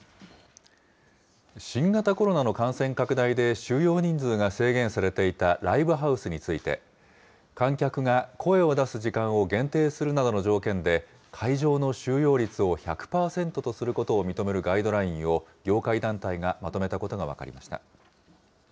新型コロナの感染拡大で、収容人数が制限されていたライブハウスについて、観客が声を出す時間を限定するなどの条件で、会場の収容率を１００％とすることを認めるガイドラインを、業界団体がまとめたことが分かりました。